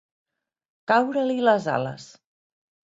Caure-li les ales.